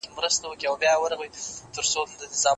ماشومان زموږ د ژوند خوشحالي ده.